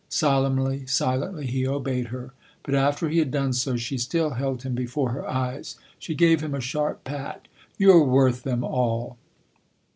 Solemnly, silently he obeyed her ; but after he had done so she still held him before her eyes. She gave him a sharp pat. " You're worth them all